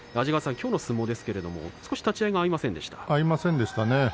きょうの相撲ですけど立ち合いが合いませんでしたね。